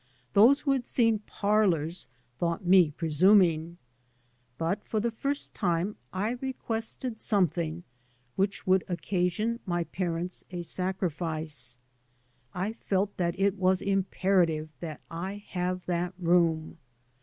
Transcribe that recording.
Those who had seen " parlours " thought me pre suming. But for the iirst time I requested something which would occasion my parents a sacrifice. I felt that it was imperative that I have that room.